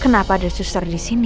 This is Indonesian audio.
kenapa ada suster disini